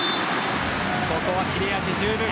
ここは切れ味十分。